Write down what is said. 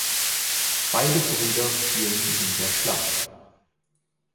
Beide Brüder fielen in der Schlacht.